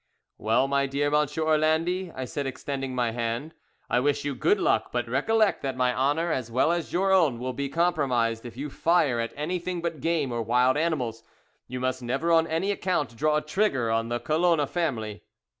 "Well, my dear Monsieur Orlandi," I said, extending my hand, "I wish you good luck; but recollect that my honour as well as your own will be compromised if you fire at anything but game or wild animals. You must never on any account draw a trigger on the Colona family."